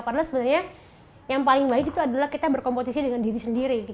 karena sebenernya yang paling baik itu adalah kita berkompetisi dengan diri sendiri